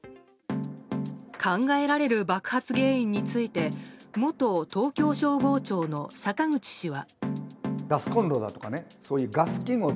考えられる爆発原因について元東京消防庁の坂口氏は。